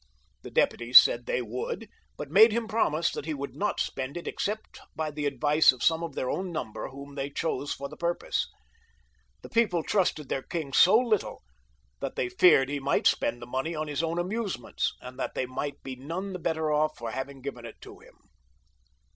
The deputies said they would, but made him promise that he would not spend it except by the advice of some of their own number whom they chose out for the pur pose. The people trusted their king so little that they feared he might spend the money on his own amusements, and that they might be none the better off for having given it to him.